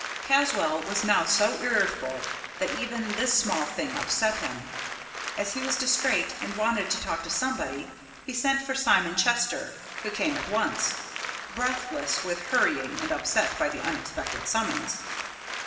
Caswall was now so irritable that even this small thing upset him. As he was distrait and wanted to talk to somebody, he sent for Simon Chester, who came at once, breathless with hurrying and upset by the unexpected summons.